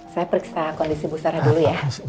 saya periksa kondisi bu sarah dulu ya